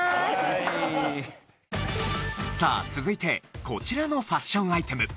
さあ続いてこちらのファッションアイテム。